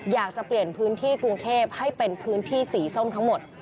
อยากจะเปลี่ยนพื้นที่กรุงเทพให้เป็นพื้นที่สีส้มทั้งหมด